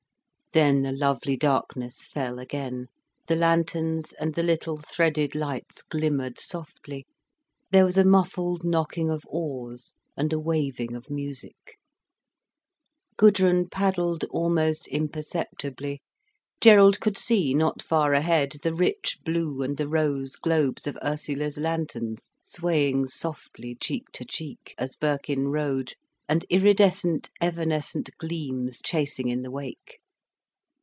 Then the lovely darkness fell again, the lanterns and the little threaded lights glimmered softly, there was a muffled knocking of oars and a waving of music. Gudrun paddled almost imperceptibly. Gerald could see, not far ahead, the rich blue and the rose globes of Ursula's lanterns swaying softly cheek to cheek as Birkin rowed, and iridescent, evanescent gleams chasing in the wake.